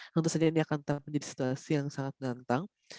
tentu saja ini akan terjadi di situasi yang sangat ganteng